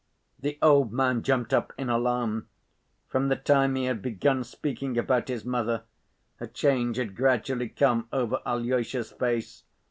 The old man jumped up in alarm. From the time he had begun speaking about his mother, a change had gradually come over Alyosha's face.